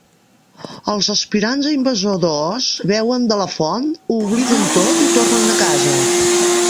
Els aspirants a invasors d'Oz beuen de la font, ho obliden tot i tornen a casa.